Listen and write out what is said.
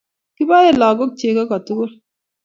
Kiboe lagook chego kotugul.